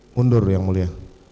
mundur yang mulia